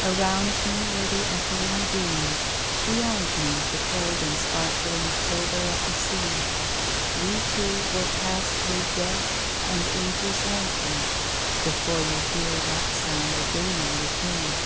Around me were the echoing dunes, beyond me The cold and sparkling silver of the sea We two will pass through death and ages lengthen Before you hear that sound again with me.